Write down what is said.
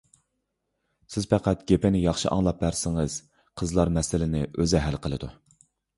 سىز پەقەت گېپىنى ياخشى ئاڭلاپ بەرسىڭىز، قىزلار مەسىلىنى ئۆزى ھەل قىلىدۇ.